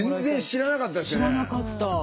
知らなかった。